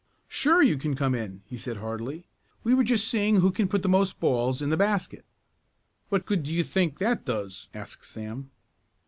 "Sure you can come in," he said heartily. "We're just seeing who can put the most balls in the basket." "What good do you think that does?" asked Sam.